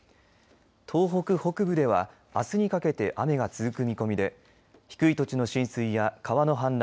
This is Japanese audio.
東北北部ではあすにかけて雨が続く見込みで低い土地の浸水や川の氾濫